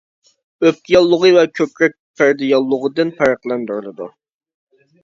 ئۆپكە ياللۇغى ۋە كۆكرەك پەردە ياللۇغىدىن پەرقلەندۈرۈلىدۇ.